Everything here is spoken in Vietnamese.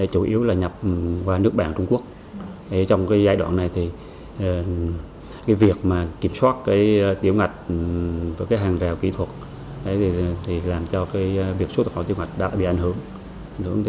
hàng rèo kỹ thuật làm cho việc xuất khẩu tiêu hoạch đã bị ảnh hưởng